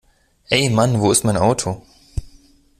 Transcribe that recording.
Ey Mann wo ist mein Auto?